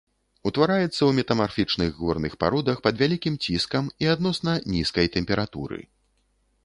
Утвараецца ў метамарфічных горных пародах пад вялікім ціскам і адносна нізкай тэмпературы.